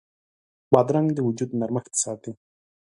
بادرنګ د وجود نرمښت ساتي.